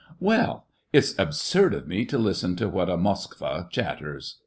" Well ! it's absurd of me to listen to what a Moskva* chatters!"